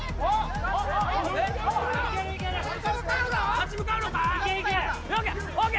・立ち向かうのか？